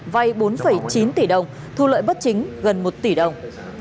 vay bốn chín tỷ đồng thu lợi bất chính gần một tỷ đồng